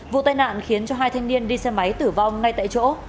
vụ tai nạn khiến cho hai thanh niên đi xe máy tử vong ngay tại chỗ